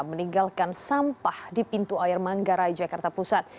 meninggalkan sampah di pintu air manggarai jakarta pusat